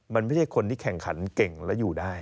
มันไม่ใช่คนที่แข่งขันเก่งและอยู่ได้